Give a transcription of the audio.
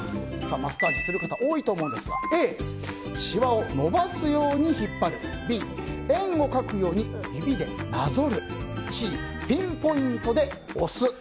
マッサージする方多いと思うんですがＡ、シワを伸ばすように引っ張るＢ、円を描くように指でなぞるＣ、ピンポイントで押す。